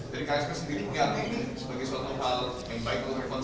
dari ksk sendiri bagaimana ini